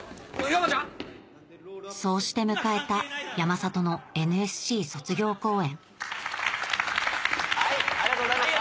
山ちゃん⁉そうして迎えた山里のＮＳＣ卒業公演はいありがとうございました。